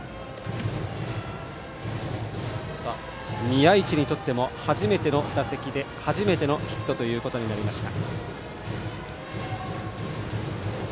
宮一にとって初めての打席で初めてのヒットとなりました。